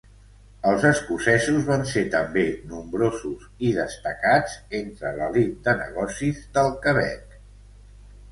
Els escocesos van ser també nombrosos i destacats entre l'elit de negocis del Quebec.